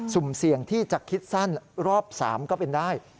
สุ่มเสี่ยงที่จะคิดสั้นรอบ๓ก็เป็นได้